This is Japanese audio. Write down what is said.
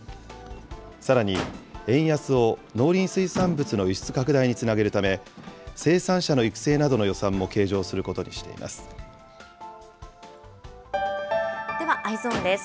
さらに、円安を農林水産物の輸出拡大につなげるため、生産者の育成などの予算も計上することにしではＥｙｅｓｏｎです。